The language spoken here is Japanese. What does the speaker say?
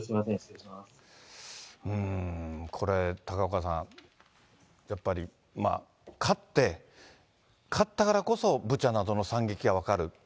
うーん、これ、高岡さん、やっぱり勝って、勝ったからこそ、ブチャなどの惨劇が分かる。